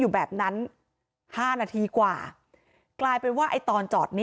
แต่แท็กซี่เขาก็บอกว่าแท็กซี่ควรจะถอยควรจะหลบหน่อยเพราะเก่งเทาเนี่ยเลยไปเต็มคันแล้ว